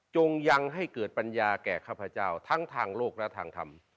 ยังให้เกิดปัญญาแก่ข้าพเจ้าทั้งทางโลกและทางธรรม